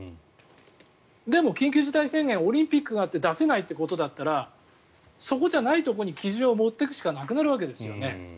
でも、緊急事態宣言オリンピックがあって出せないということだったらそこじゃないところに基準を持っていくしかなくなるわけですよね。